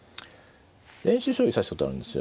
練習将棋指したことあるんですよ。